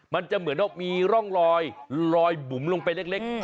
มันจะเหมือนว่ามีร่องรอยลอยบุ๋มลงไปเล็ก